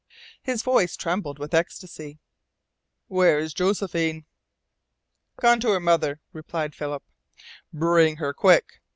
His voice trembled with ecstasy. "Where is Josephine?" "Gone to her mother," replied Philip. "Bring her quick!"